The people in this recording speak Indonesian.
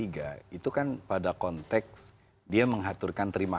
kita lihat rekam jejak